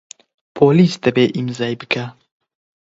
پۆلیس دەبێ ئیمزای بکا.